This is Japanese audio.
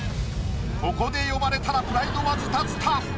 ここで呼ばれたらプライドはズタズタ。